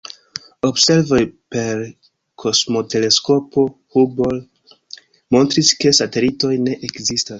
Observoj per kosmoteleskopo Hubble montris, ke satelitoj ne ekzistas.